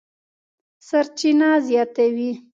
سرچینه زیاتوي،